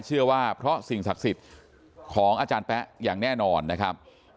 เชื่อว่าเพราะสิ่งศักดิ์สิทธิ์ของอาจารย์แป๊ะอย่างแน่นอนนะครับ